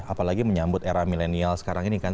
apalagi menyambut era milenial sekarang ini kan